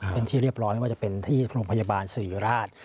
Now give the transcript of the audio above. เป็นที่เรียบร้อยไม่ว่าจะเป็นที่โรงพยาบาลสิริราช